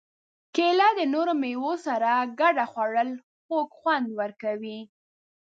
کېله د نورو مېوو سره ګډه خوړل خوږ خوند ورکوي.